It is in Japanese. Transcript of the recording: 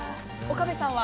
岡部さんは？